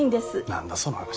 何だその話。